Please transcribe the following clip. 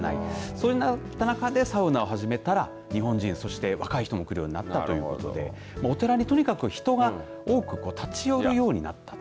そんな中でサウナを始めたら日本人そして若い人も来るようになったということでお寺に、とにかく人が多く立ち寄るようになったと。